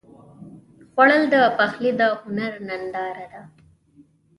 خوړل د پخلي د هنر ننداره ده